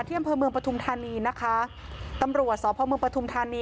อำเภอเมืองปฐุมธานีนะคะตำรวจสพเมืองปฐุมธานี